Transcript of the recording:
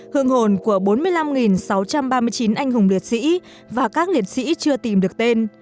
hương hồn của bốn mươi năm sáu trăm ba mươi chín anh hùng liệt sĩ và các liệt sĩ chưa tìm được tên